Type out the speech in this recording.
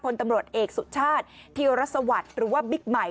คนตำรวจเอกสุชาติธีรศวรรษหรือว่าบิ๊กไหม